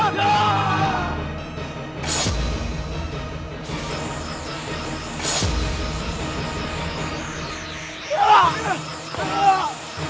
dialiai kita sekarang enggak lelah